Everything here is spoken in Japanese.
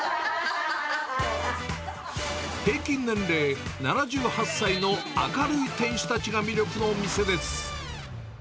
平均年齢７８歳の明るい店主たちが魅力のお店です。